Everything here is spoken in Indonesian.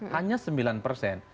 hanya sembilan persen